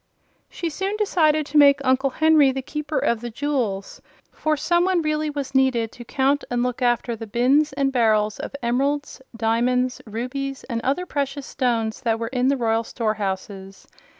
She soon decided to make Uncle Henry the Keeper of the Jewels, for some one really was needed to count and look after the bins and barrels of emeralds, diamonds, rubies and other precious stones that were in the Royal Storehouses.